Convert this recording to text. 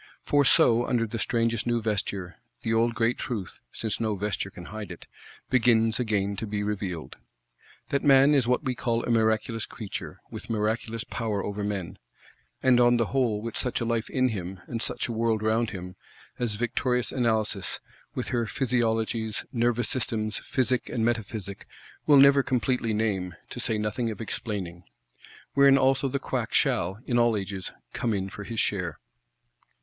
For so, under the strangest new vesture, the old great truth (since no vesture can hide it) begins again to be revealed: That man is what we call a miraculous creature, with miraculous power over men; and, on the whole, with such a Life in him, and such a World round him, as victorious Analysis, with her Physiologies, Nervous systems, Physic and Metaphysic, will never completely name, to say nothing of explaining. Wherein also the Quack shall, in all ages, come in for his share.